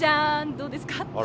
どうですか？